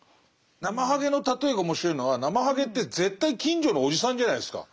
ナマハゲの例えが面白いのはナマハゲって絶対近所のおじさんじゃないですか。